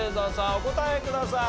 お答えください。